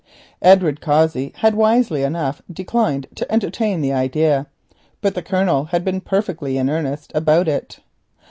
Edward Cossey wisely enough declined to entertain the idea, but the Colonel had been perfectly in earnest about it.